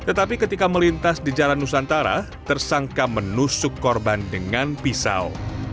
tetapi ketika melintas di jalan nusantara tersangka menusuk korban dengan pisau